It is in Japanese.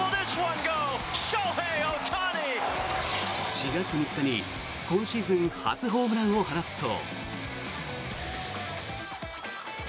４月３日に今シーズン初ホームランを放つと。